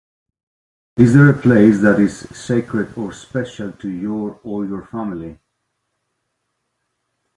Is there a a place that is sacred or special to you or your family?